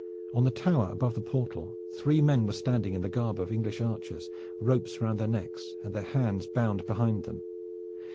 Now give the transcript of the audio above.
On the tower above the portal three men were standing in the garb of English archers, ropes round their necks and their hands bound behind them.